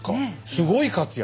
すごい活躍。